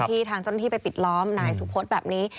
ทางเจ้าหน้าที่ไปปิดล้อมนายสุพธแบบนี้